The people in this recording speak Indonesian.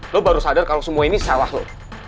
lo baru sadar kalo semua ini salah lo